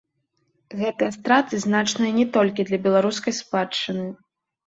Гэтыя страты значныя не толькі для беларускай спадчыны.